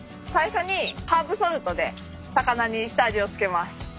最初にハーブソルトで魚に下味を付けます。